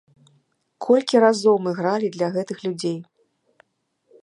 Колькі разоў мы гралі для гэтых людзей!